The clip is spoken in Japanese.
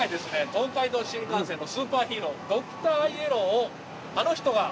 東海道新幹線のスーパーヒーロードクターイエローをあの人が取材してくれたそうなんです。